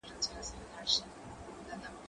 هغه وويل چي مځکه ارزښت لري؟!